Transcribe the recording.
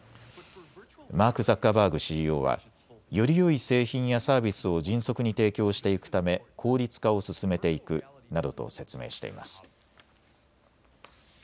マーク・ザッカーバーグＣＥＯはよりよい製品やサービスを迅速に提供していくため効率化を進めていくなどと説明しています。